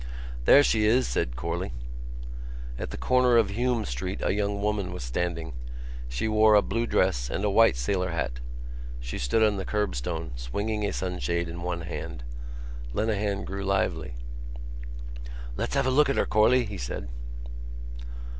"There she is!" said Corley. At the corner of Hume Street a young woman was standing. She wore a blue dress and a white sailor hat. She stood on the curbstone, swinging a sunshade in one hand. Lenehan grew lively. "Let's have a look at her, Corley," he said.